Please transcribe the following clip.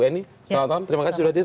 ini selamat malam terima kasih sudah hadir